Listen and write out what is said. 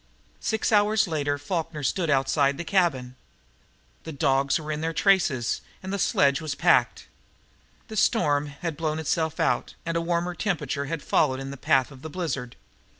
Six hours later Falkner stood outside the cabin. The dogs were in their traces, and the sledge was packed. The storm had blown itself out, and a warmer temperature had followed in the path of the blizzard.